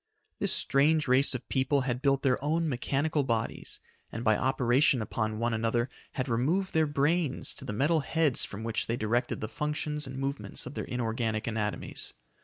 This strange race of people had built their own mechanical bodies, and by operation upon one another had removed their brains to the metal heads from which they directed the functions and movements of their inorganic anatomies.